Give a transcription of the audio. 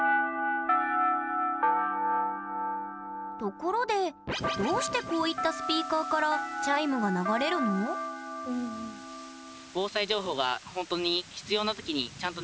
ところでどうしてこういったスピーカーからチャイムが流れるの？へえ。